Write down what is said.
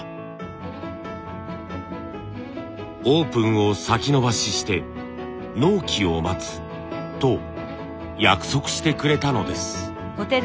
オープンを先延ばしして納期を待つと約束してくれたのです。